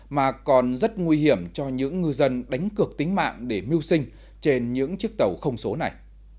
mà còn rất nguy hiểm cho những ngư dân đánh cược tính mạng để mưu sinh trên những chiếc tàu không số này